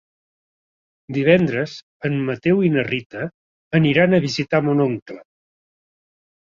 Divendres en Mateu i na Rita aniran a visitar mon oncle.